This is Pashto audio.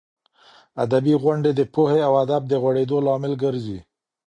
ادبي غونډې د پوهې او ادب د غوړېدو لامل ګرځي.